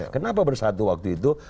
kenapa bersatu waktu itu